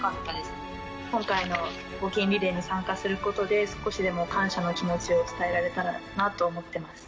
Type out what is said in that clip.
今回の募金リレーに参加することで、少しでも感謝の気持ちを伝えられたらなと思ってます。